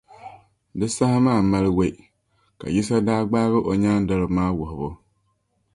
Di saha maa mali we ka Yisa daa gbaagi o nyaandoliba maa wuhibu.